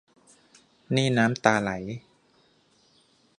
นี่น้ำตาไหล